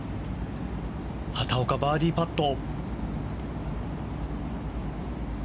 畑岡、バーディーパット。